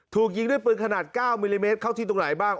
ถูกยิงด้วยปืนขนาด๙มิลลิเมตรเข้าที่ตรงไหนบ้าง